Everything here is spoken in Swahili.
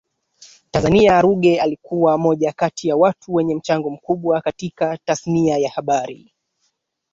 Tanzania Ruge alikua moja kati ya watu wenye mchango mkubwa katika tasnia ya habari